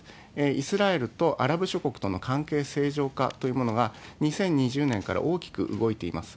イスラエルとアラブ諸国との関係正常化というものが、２０２０年から大きく動いています。